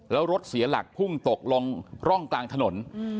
แล้วรถเสียหลักพุ่งตกลงร่องกลางถนน